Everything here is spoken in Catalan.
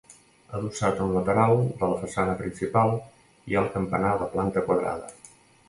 Adossat a un lateral de la façana principal hi ha el campanar de planta quadrada.